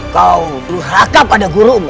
kau berhaka pada gurumu